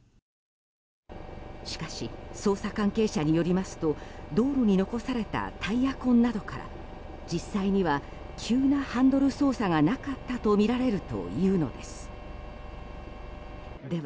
しかし捜査関係者によりますと道路に残されたタイヤ痕などから実際には急なハンドル操作がなかったとみられるというのです。